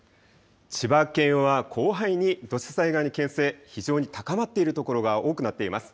千葉県は広範囲に土砂災害の危険性、非常に高まっている所が多くなっています。